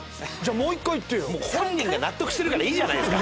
もう本人が納得してるからいいじゃないですか。